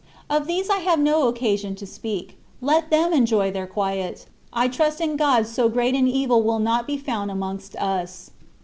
Of these I have no occasion to speak : let them enjoy their quiet ; I trust in God so great an evil will not be found amongst us.